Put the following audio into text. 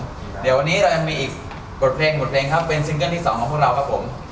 เดี๋ยววันนี้เรายังมีอีกบทเพลงบทเพลงครับเป็นซิงเกิ้ลที่สองของพวกเราครับผม